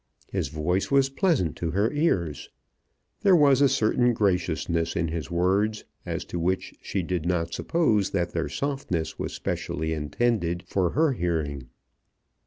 His voice was pleasant to her ears. There was a certain graciousness in his words, as to which she did not suppose that their softness was specially intended for her hearing.